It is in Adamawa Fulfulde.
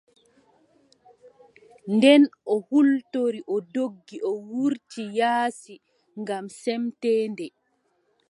Nden o hultori o doggi o wurti yaasi ngam semteende.